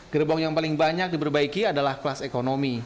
gerbong yang paling banyak diperbaiki adalah kelas ekonomi